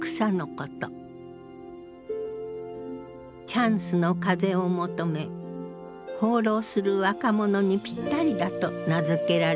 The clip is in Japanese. チャンスの風を求め放浪する若者にぴったりだと名付けられたそう。